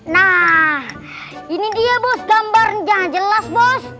nah ini dia bos gambarnya jelas bos